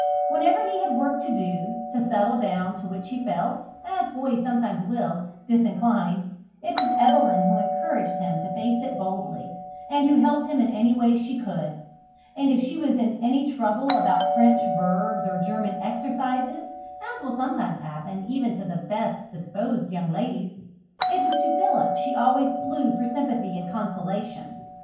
Whenever he had work to do, to settle down to which he felt (as boys sometimes will) disinclined, it was Evelyn who encouraged him to face it boldly, and who helped him in any way she could; and if she was in any trouble about French verbs or German exercises, as will sometimes happen even to the best disposed young ladies, it was to Philip she always flew for sympathy and consolation.